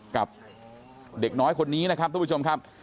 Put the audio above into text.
กับเด็กน้อยคนนี้นะครับทุกผู้ชมครับ